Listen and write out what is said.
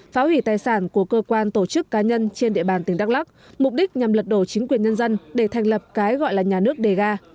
phá hủy tài sản của cơ quan tổ chức cá nhân trên địa bàn tỉnh đắk lắc mục đích nhằm lật đổ chính quyền nhân dân để thành lập cái gọi là nhà nước đề ga